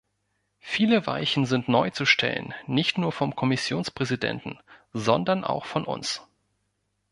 Viele Weichen sind neu zu stellen, nicht nur vom Kommissionspräsidenten, sondern auch von uns!